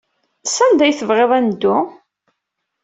Sanda ay tebɣiḍ ad neddu?